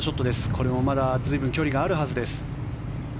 これもまだ随分距離があるはずです。